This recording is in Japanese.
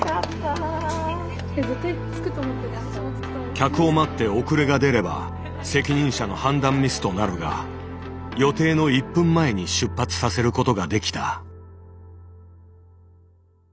客を待って遅れが出れば責任者の判断ミスとなるが予定の１分前に出発させることができた。